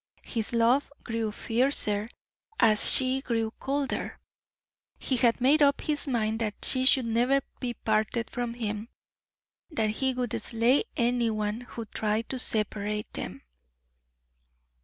His love grew fiercer as she grew colder; he had made up his mind that she should never be parted from him that he would slay any one who tried to separate them.